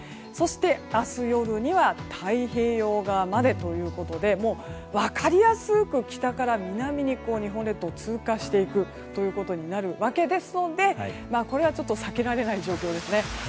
そして、明日夜には太平洋側までということで分かりやすく北から南に日本列島を通過していくということになるわけですのでこれがちょっと避けられない状況ですね。